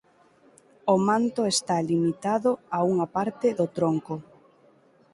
O manto está limitado a unha parte do tronco.